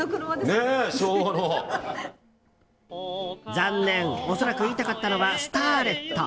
残念、恐らく言いたかったのはスターレット。